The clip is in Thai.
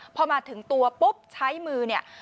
พอมาถึงตัวปุ๊บใช้มือเนี่ย